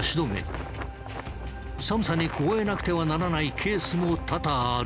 寒さに凍えなくてはならないケースも多々ある。